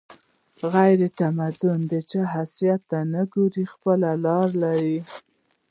غیرتمند د چا حیثیت ته نه ګوري، خپله لار لري